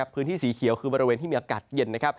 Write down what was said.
พื้นที่สีเขียวคือบริเวณที่มีอากาศเย็นนะครับ